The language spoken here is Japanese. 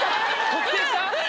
特定した